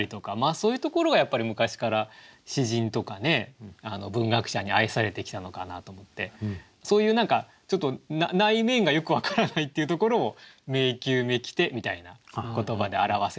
そういうところがやっぱり昔から詩人とか文学者に愛されてきたのかなと思ってそういう何かちょっと内面がよく分からないっていうところを「迷宮めきて」みたいな言葉で表せたらなと思って詠んでみました。